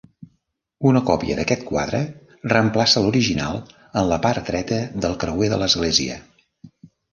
Una còpia d'aquest quadre reemplaça a l'original en la part dreta del creuer de l'església.